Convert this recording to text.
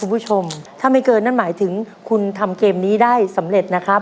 คุณผู้ชมถ้าไม่เกินนั่นหมายถึงคุณทำเกมนี้ได้สำเร็จนะครับ